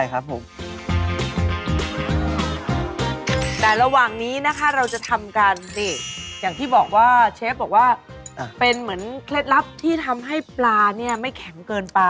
อย่างที่บอกว่าเชฟบอกว่าเป็นเหมือนเคล็ดลับที่ทำให้ปลาไม่แข็งเกินไป